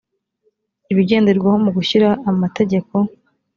ibigenderwaho mu gushyira amategeko